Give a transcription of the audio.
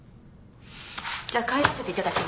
じゃあ帰らせていただきます。